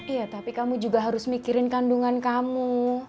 iya tapi kamu juga harus mikirin kandungan kamu